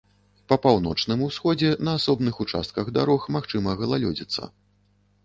Па паўночным усходзе на асобных участках дарог магчыма галалёдзіца.